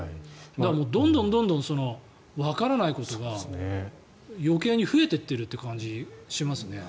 どんどんわからないことが余計に増えていっているという感じがしますね。